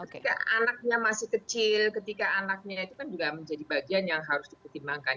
ketika anaknya masih kecil ketika anaknya itu kan juga menjadi bagian yang harus dipertimbangkan